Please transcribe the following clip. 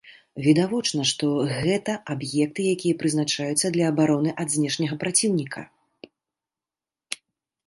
Відавочна, што гэта аб'екты, якія прызначаюцца для абароны ад знешняга праціўніка.